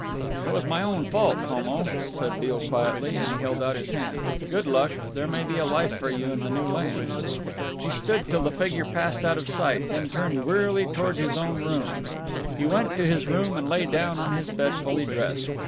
"It was my own fault, Homo," said Beale quietly, and held out his hand. "Good luck there may be a life for you in the new land." He stood till the figure passed out of sight, then turned wearily toward his own rooms. He went to his room and lay down on his bed fully dressed.